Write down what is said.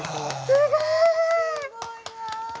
すごいわ。